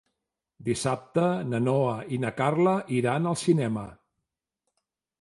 Dissabte na Noa i na Carla iran al cinema.